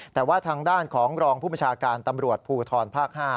แต่ว่าทางด้านของรองผู้บัญชาการตำรวจภูทรภาค๕